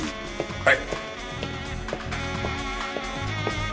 はい。